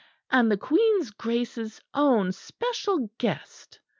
And the Queen's Grace's own special guest!"